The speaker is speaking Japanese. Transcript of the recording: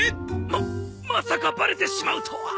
ままさかバレてしまうとは。